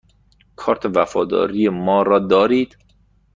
کارت وفاداری ما را دارید؟